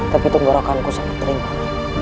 tapi tumporan aku sangat terima